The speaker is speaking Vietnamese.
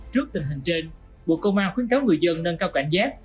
trước tình hình trên bộ công an khuyến cáo người dân nâng cao cảnh giác